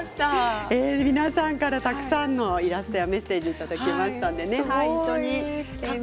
皆さんからたくさんのイラストやメッセージをいただきました。